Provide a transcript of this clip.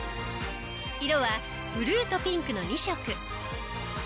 色はブルーとピンクの２色。